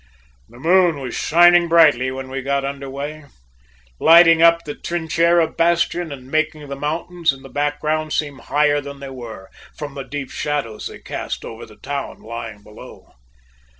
"The moon was shining brightly when we got under way, lighting up the Trinchera bastion and making the mountains in the background seem higher than they were, from the deep shadows they cast over the town lying below.